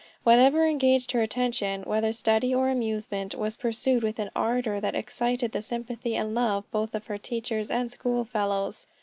Whatever engaged her attention, whether study or amusement, was pursued with an ardor that excited the sympathy and love both of her teachers and schoolfellows.